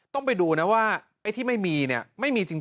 ต้องไปดูนะว่าไอ้ที่ไม่มีเนี่ยไม่มีจริง